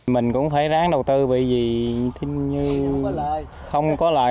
mình cũng phải ráng đầu tư vì không có lợi